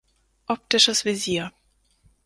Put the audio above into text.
Optisches Visier.